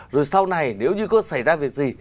rồi sau này nếu như có xảy ra việc gì